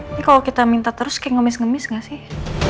ini kalau kita minta terus kayak ngemis ngemis gak sih